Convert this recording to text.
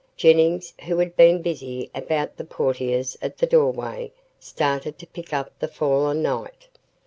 Jennings, who had been busy about the portieres at the doorway, started to pick up the fallen knight.